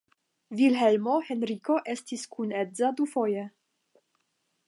Vilhelmo Henriko estis kunedza dufoje.